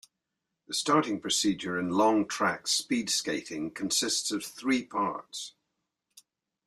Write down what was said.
The starting procedure in long-track speed-skating consists of three parts.